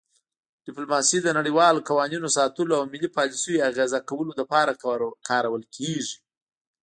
ډیپلوماسي د نړیوالو قوانینو ساتلو او ملي پالیسیو اغیزه کولو لپاره کارول کیږي